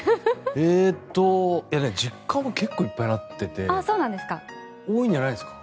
えっと、実家も結構いっぱいなっていて多いんじゃないですか？